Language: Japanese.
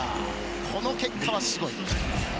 この結果はすごい！